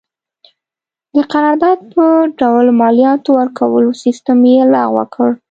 د قرارداد په ډول مالیاتو ورکولو سیستم یې لغوه کړ.